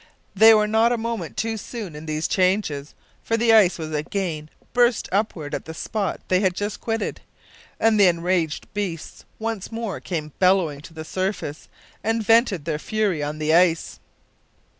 They were not a moment too soon in these changes, for the ice was again burst upward at the spot they had just quitted, and the enraged beasts once more came bellowing to the surface and vented their fury on the ice.